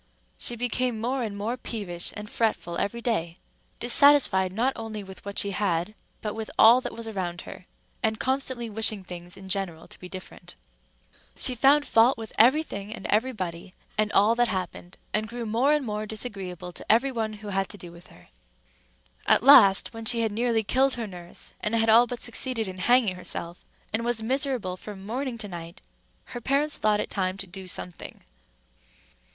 She became more and more peevish and fretful every day—dissatisfied not only with what she had, but with all that was around her, and constantly wishing things in general to be different. She found fault with every thing and everybody, and all that happened, and grew more and more disagreeable to every one who had to do with her. At last, when she had nearly killed her nurse, and had all but succeeded in hanging herself, and was miserable from morning to night, her parents thought it time to do something.